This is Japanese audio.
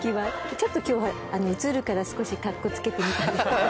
ちょっと今日は映るから少しかっこつけてみたんですけど。